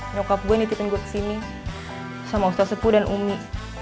nyokap gue nitipin gue ke sini sama ustaz sepu dan umi